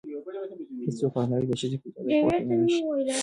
هیڅ څوک حق نه لري د ښځې په اجازې کور ته دننه شي.